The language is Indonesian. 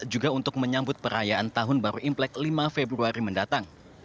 juga untuk menyambut perayaan tahun baru implek lima februari mendatang